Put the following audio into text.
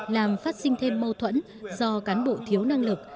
làm phát sinh thêm mâu thuẫn do cán bộ thiếu năng lực